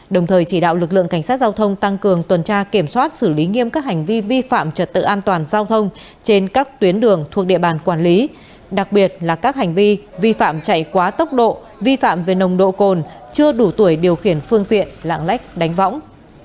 đồng thời chỉ đạo lực lượng cảnh sát giao thông tăng cường tuần tra kiểm soát xử lý nghiêm các hành vi vi phạm trật tự an toàn giao thông trên các tuyến đường thuộc địa bàn quản lý đặc biệt là các hành vi vi phạm chạy quá tốc độ vi phạm về nồng độ cồn chưa đủ tuổi điều khiển phương tiện lạng lách đánh võng